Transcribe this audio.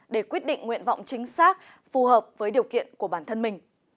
để quyết định nguyện vọng chính xác phù hợp với điều kiện của bản thân mình